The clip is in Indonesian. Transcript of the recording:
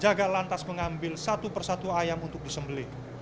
jaga lantas mengambil satu persatu ayam untuk disembeli